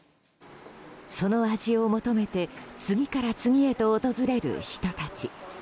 その味を求めて次から次へと訪れる人たち。